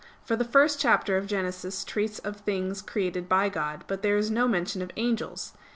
For the first chapter of Genesis treats of things created by God. But there is no mention of angels.